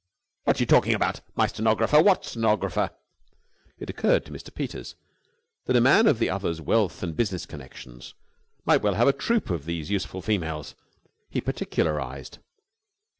"What are you talking about? My stenographer? What stenographer?" It occurred to Mr. Peters that a man of the other's wealth and business connections might well have a troupe of these useful females. He particularised.